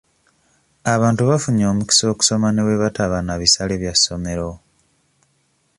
Abantu bafunye omukisa okusoma ne bwe bataba na bisale bya ssomero.